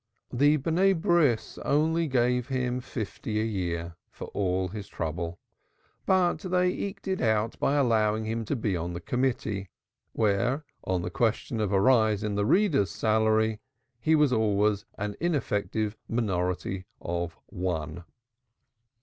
The Sons only gave him fifty a year for all his trouble, but they eked it out by allowing him to be on the Committee, where on the question of a rise in the Reader's salary he was always an ineffective minority of one.